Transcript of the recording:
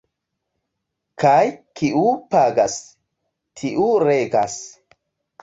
Kaj kiu pagas, tiu regas.